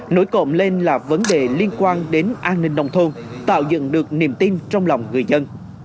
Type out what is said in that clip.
nổi cộng lên là vấn đề liên quan đến an ninh nông thôn tạo dựng được niềm tin trong lòng người dân